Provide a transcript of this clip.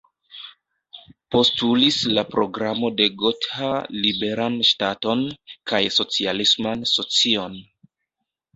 Postulis la Programo de Gotha "liberan ŝtaton" kaj "socialisman socion".